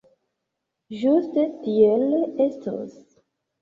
Ĝuste tiel estos.